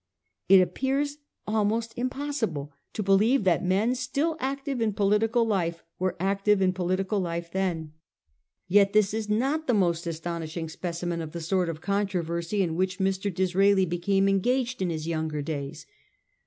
It appears almost impossible to believe that men still active in political life were active in political life then. Yet this is not the most astonishing specimen of the sort of controversy in which Mr. Disraeli became engaged 1337 46. THE BOBADIL FASHION IN POLITICS. 303 in his younger days.